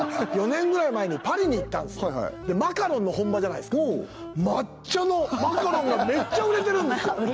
４年ぐらい前にパリに行ったんですマカロンの本場じゃないですか抹茶のマカロンがめっちゃ売れてるんですよ